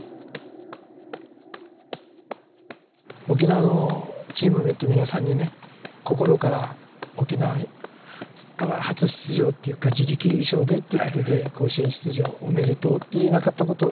沖縄のチームメートの皆さんにね心から沖縄から初出場っていうか自力優勝でっていうことで甲子園出場おめでとうって言えなかったことをね